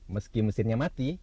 meski mesinnya mati